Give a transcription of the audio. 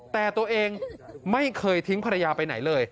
แต่ตัวเองไม่เคยทิ้งภรรยาไปไหนเลย